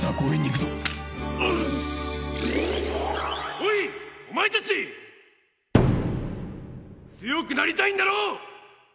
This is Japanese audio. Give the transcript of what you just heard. おいお前たち強くなりたいんだろう！？